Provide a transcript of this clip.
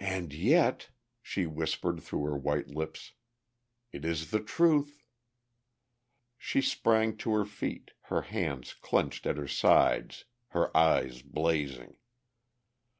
"And yet," she whispered through her white lips, "it is the truth!" She sprang to her feet, her hands clenched at her sides, her eyes blazing.